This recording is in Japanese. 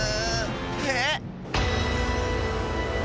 えっ！